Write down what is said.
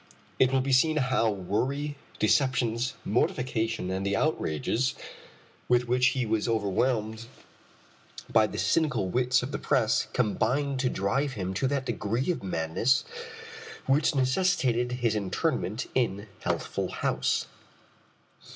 It will be seen how worry, deceptions, mortification, and the outrages with which he was overwhelmed by the cynical wits of the press combined to drive him to that degree of madness which necessitated his internment in Healthful House.